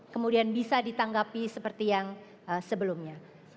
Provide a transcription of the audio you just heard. kemudian bisa ditanggapi seperti yang sebelumnya